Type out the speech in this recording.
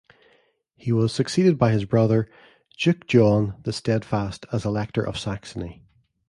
He was succeeded by his brother Duke John "the Steadfast" as Elector of Saxony.